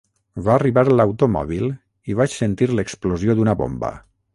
Va arribar l'automòbil i vaig sentir l'explosió d'una bomba.